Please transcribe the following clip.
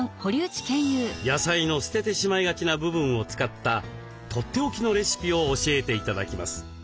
野菜の捨ててしまいがちな部分を使ったとっておきのレシピを教えて頂きます。